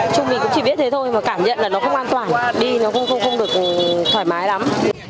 chúng mình cũng chỉ biết thế thôi mà cảm nhận là nó không an toàn đi nó không được thoải mái lắm